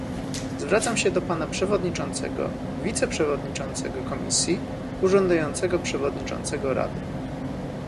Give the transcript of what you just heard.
Zwracam się do pana przewodniczącego, wiceprzewodniczącego Komisji, urzędującego przewodniczącego Rady